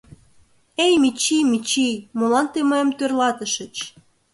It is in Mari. Эй, Мичий, Мичий, молан тый мыйым тӧрлатышыч?